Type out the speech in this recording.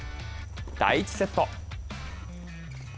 第１セット